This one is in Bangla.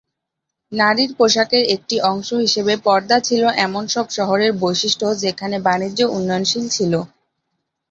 নারীর পোশাকের একটি অংশ হিসেবে পর্দা ছিল এমন সব শহরের বৈশিষ্ট্য যেখানে বাণিজ্য উন্নয়নশীল ছিল।